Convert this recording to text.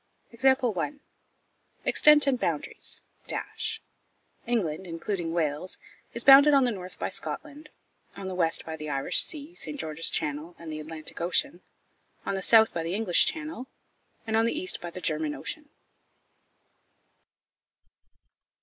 Extent and Boundaries. England (including Wales) is bounded on the north by Scotland; on the west by the Irish Sea, St George's Channel, and the Atlantic Ocean; on the south by the English Channel; and on the east by the German Ocean.